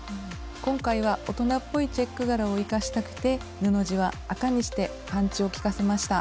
今回は大人っぽいチェック柄を生かしたくて布地は赤にしてパンチを効かせました。